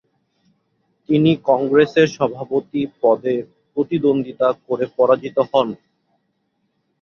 তিনি কংগ্রেসের সভাপতি পদে প্রতিদ্বন্দ্বিতা করে পরাজিত হন।